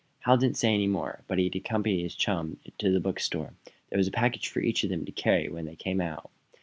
Hal didn't say any more, but accompanied his chum to the book store. There was a package for each of them to carry when they came out.